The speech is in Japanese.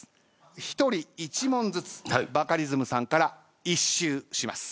１人１問ずつバカリズムさんから１周します。